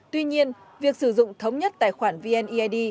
tuy nhiên việc sử dụng thống nhất tài khoản vned